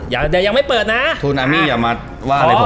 อย่าเดี๋ยยังไม่เปิดนะธุร์อายมีอย่ามาไว้หอยผมนะ